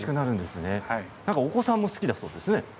お子さんも好きだそうですね。